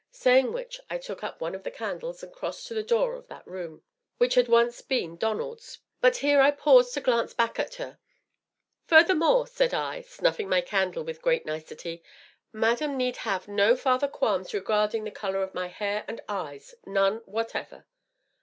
Saying which, I took up one of the candles and crossed to the door of that room which had once been Donald's, but here I paused to glance back at her. "Furthermore," said I, snuffing my candle with great nicety, "madam need have no further qualms regarding the color of my hair and eyes none whatever."